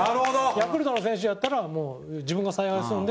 ヤクルトの選手やったらもう、自分が采配するので。